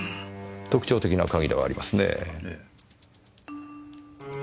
特徴的な鍵ではありますねぇ。